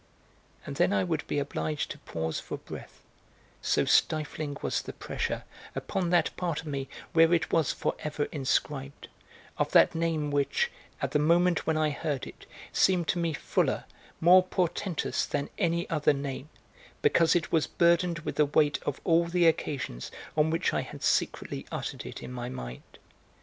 And then I would be obliged to pause for breath; so stifling was the pressure, upon that part of me where it was for ever inscribed, of that name which, at the moment when I heard it, seemed to me fuller, more portentous than any other name, because it was burdened with the weight of all the occasions on which I had secretly uttered it in my mind.